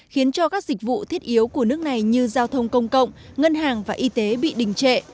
khiến cho các dịch vụ thiết yếu của nước này như giao thông công cộng ngân hàng và y tế bị đình trệ